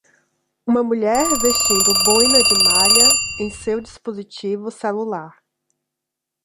Uma mulher vestindo boina de malha em seu dispositivo celular.